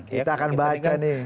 kita akan baca nih